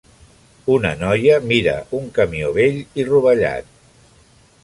Una noia mira un camió vell i rovellat.